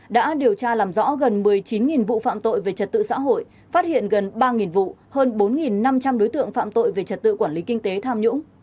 đã điều tra làm rõ gần một mươi chín vụ phạm tội về trật tự xã hội phát hiện gần ba vụ hơn bốn năm trăm linh đối tượng phạm tội về trật tự quản lý kinh tế tham nhũng